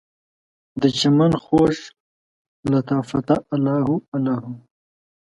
دچمن خوږ لطافته، الله هو الله هو